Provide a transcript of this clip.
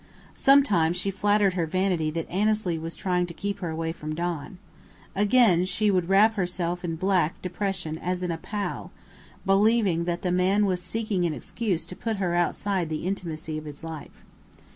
Sometimes she flattered her vanity that Annesley was trying to keep her away from Don. Again, she would wrap herself in black depression as in a pall, believing that the man was seeking an excuse to put her outside the intimacy of his life.